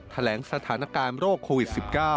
แถลงสถานการณ์โรคโควิด๑๙